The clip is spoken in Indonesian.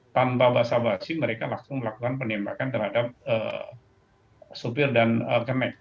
tanpa basa basi mereka langsung melakukan penembakan terhadap sopir dan kernet